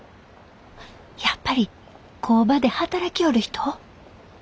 やっぱり工場で働きょおる人？